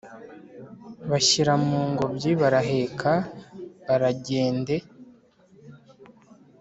bashyira mungobyi baraheka baragende